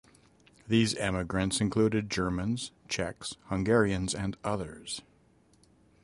These emigrants included Germans, Czechs, Hungarians, and others.